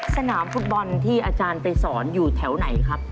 สนามฟุตบอลที่อาจารย์ไปสอนอยู่แถวไหนครับ